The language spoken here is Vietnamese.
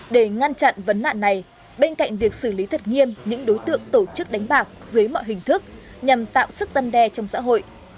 để ngăn chặn vấn nạn này bên cạnh việc xử lý thật nghiêm những đối tượng tổ chức đánh bạc dưới mọi hình thức nhằm tạo sức dân đe trong xã hội